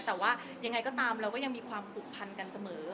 แต่ว่ายังไงก็ตามเราก็ยังมีความผูกพันกันเสมอ